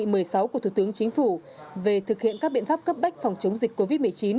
từ ngày sáu của thủ tướng chính phủ về thực hiện các biện pháp cấp bách phòng chống dịch covid một mươi chín